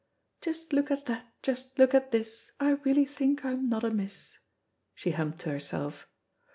"Just look at that, Just look at this, I really think I'm not amiss," she hummed to herself.